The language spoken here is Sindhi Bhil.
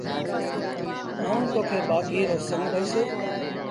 آئوٚݩ تو کي ٻآگھيٚ رو سنڱ ڏئيٚس ۔